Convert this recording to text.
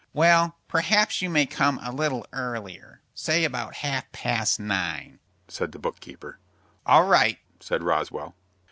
"Well, perhaps you may come a little earlier, say about half past nine," said the book keeper. "All right," said Roswell.